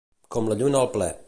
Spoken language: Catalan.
Com la lluna al ple.